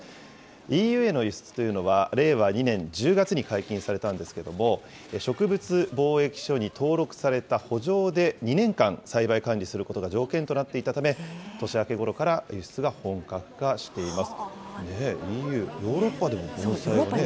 ＥＵへの輸出というのは、令和２年１０月に解禁されたんですけれども、植物防疫所に登録されたほ場で２年間、栽培管理することが条件となっていたため、年明けごろから輸出が本格化しています。